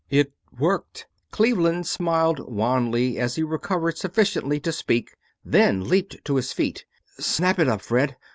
"It worked," Cleveland smiled wanly as he recovered sufficiently to speak, then leaped to his feet. "Snap it up, Fred!